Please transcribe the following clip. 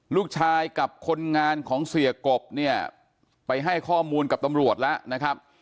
ลูกชายกับคนงานของเสียกบเนี่ยไปให้ข้อมูลกับตำรวจแล้วนะครับ